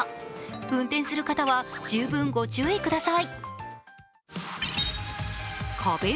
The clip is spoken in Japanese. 運転する方は、十分ご注意ください。